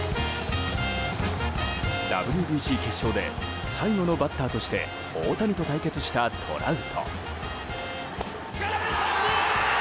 ＷＢＣ決勝で最後のバッターとして大谷と対決したトラウト。